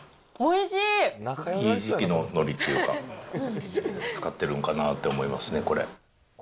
いい時期ののりっていうか、使ってるんかなって思いますね、これ。